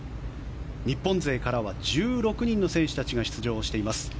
日本勢からは１６人の選手たちが出場しています。